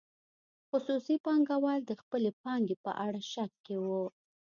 خصوصي پانګوال د خپلې پانګې په اړه شک کې وو.